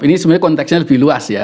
ini sebenarnya konteksnya lebih luas ya